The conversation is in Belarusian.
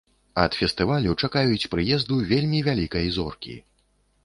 Ад фестывалю чакаюць прыезду вельмі вялікай зоркі.